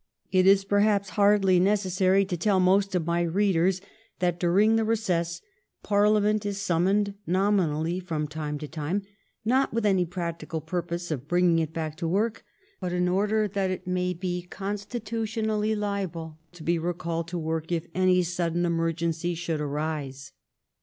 It is perhaps hardly nec essary to tell most of my readers that during the recess Parliament is summoned nominally from time to time, not with any practical purpose of bringing it back to work, but in order that it may be constitutionally liable to be recalled to work if any sudden emergency should arise.